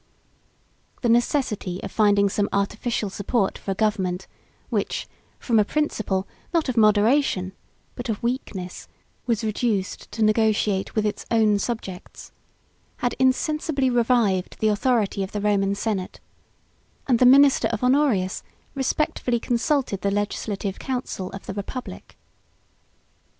The necessity of finding some artificial support for a government, which, from a principle, not of moderation, but of weakness, was reduced to negotiate with its own subjects, had insensibly revived the authority of the Roman senate; and the minister of Honorius respectfully consulted the legislative council of the republic.